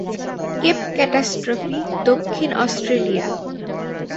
Cape Catastrophe, দক্ষিণ Australia.